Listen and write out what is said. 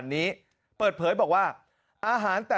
นี่นะฮะ